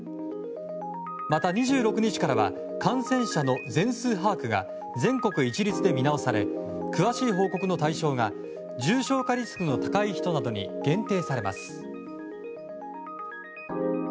また、２６日からは感染者の全数把握が全国一律で見直され詳しい報告の対象が重症化リスクの高い人などに限定されます。